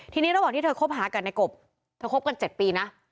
ทีนี้ระหว่างที่เธอคบหากับในกบเธอคบกัน๗ปีนะ